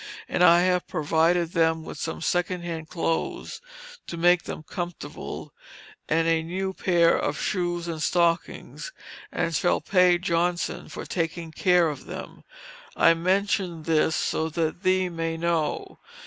And I have provided them with some second hand clothes, to make them comfortable, a new pair of shoes and stockings, and shall pay Johnson for taking care of them. I mention this so that thee may know.